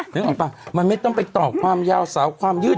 นึกออกป่ะมันไม่ต้องไปต่อความยาวสาวความยืด